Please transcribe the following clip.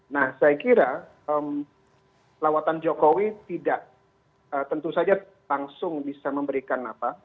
nah saya kira lawatan jokowi tidak tentu saja langsung bisa memberikan apa